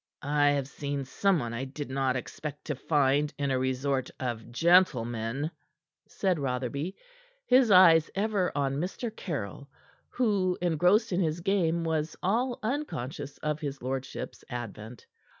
"I have seen someone I did not expect to find in a resort of gentlemen," said Rotherby, his eyes ever on Mr. Caryll, who engrossed in his game was all unconscious of his lordship's advent.